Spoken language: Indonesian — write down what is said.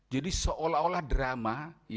jadi seolah olah drama